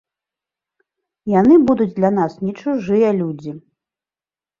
Яны будуць для нас не чужыя людзі.